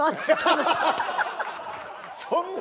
そんな？